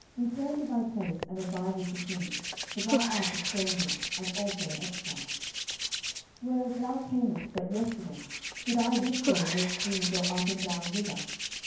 return to thy place, and abide with the king: for thou art a stranger, and also an exile. 10:015:020 Whereas thou camest but yesterday, should I this day make thee go up and down with us?